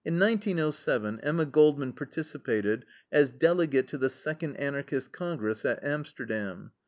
In 1907 Emma Goldman participated as delegate to the second Anarchist Congress, at Amsterdam.